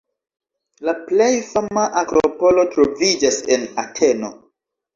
La plej fama akropolo troviĝas en Ateno.